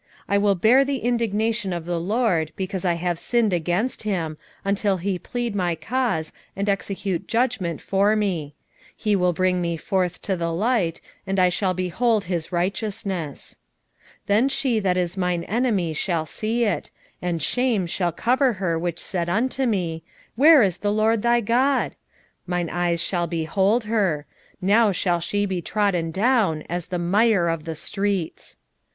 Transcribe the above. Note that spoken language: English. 7:9 I will bear the indignation of the LORD, because I have sinned against him, until he plead my cause, and execute judgment for me: he will bring me forth to the light, and I shall behold his righteousness. 7:10 Then she that is mine enemy shall see it, and shame shall cover her which said unto me, Where is the LORD thy God? mine eyes shall behold her: now shall she be trodden down as the mire of the streets.